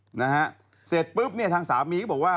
สำราคาเสร็จปึ๊บเนี่ยทางสามีก็บอกว่า